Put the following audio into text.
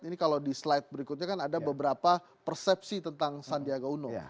ini kalau di slide berikutnya kan ada beberapa persepsi tentang sandiaga uno